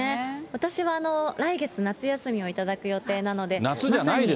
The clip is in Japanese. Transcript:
私は来月、夏休みを頂く予定なので。